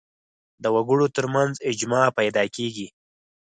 د وګړو تر منځ اجماع پیدا کېږي